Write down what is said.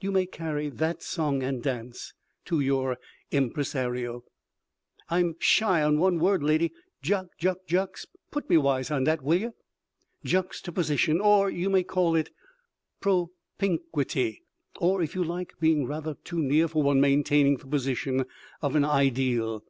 You may carry that song and dance to your impresario." "I'm shy on one word, lady. Jux—jux—put me wise on dat, will yer?" "Juxtaposition—or you may call it propinquity—or, if you like, being rather too near for one maintaining the position of an ideal."